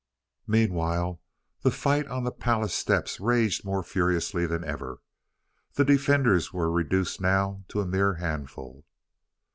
Meanwhile the fight on the palace steps raged more furiously than ever. The defenders were reduced now to a mere handful.